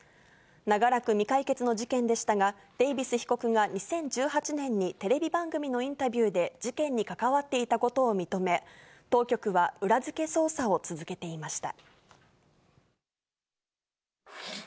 長らく未解決の事件でしたが、デイビス被告が２０１８年にテレビ番組のインタビューで事件に関わっていたことを認め、当局は裏付け捜査を続けていました。